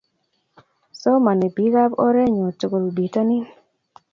Somonik biikab orenyu tugul bitonin.